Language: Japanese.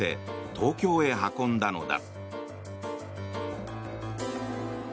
東京へ運んだのだ。